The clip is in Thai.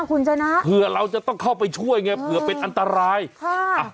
คุณชนะเผื่อเราจะต้องเข้าไปช่วยไงเผื่อเป็นอันตรายค่ะอ่ะ